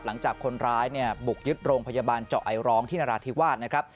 หลังจากคนร้ายเนี่ยบุกยึดโรงพยาบาลเจาะไอร้องที่นราธิวาสนะครับ